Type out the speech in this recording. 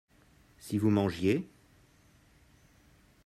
Si vous mangiez.